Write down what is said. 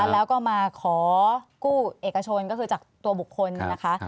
แล้วก็มาขอกู้เอกชนก็คือจากตัวบุคคลนะคะ